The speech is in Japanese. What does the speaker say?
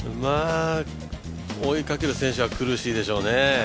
追いかける選手は苦しいでしょうね。